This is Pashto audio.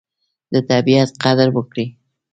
د طبیعت قدر وکړئ.